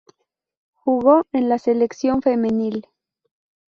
Jugó en la selección femenil.